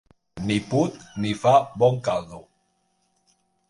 Ni put ni fa bon caldo.